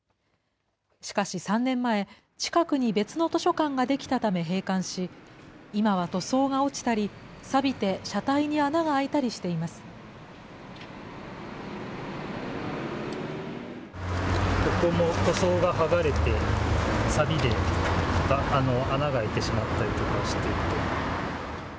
しかし３年前、近くに別の図書館が出来たため閉館し、今は塗装が落ちたり、さびここも塗装が剥がれて、さびで穴が開いてしまったりとかしていて。